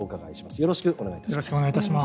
よろしくお願いします。